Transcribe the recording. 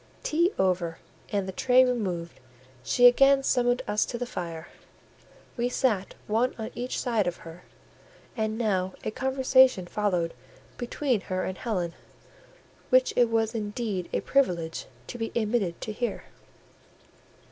Tea over and the tray removed, she again summoned us to the fire; we sat one on each side of her, and now a conversation followed between her and Helen, which it was indeed a privilege to be admitted to hear.